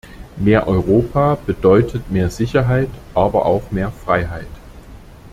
Mehr Europa bedeutet mehr Sicherheit, aber auch mehr Freiheit.